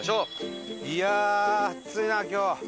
いや暑いな今日。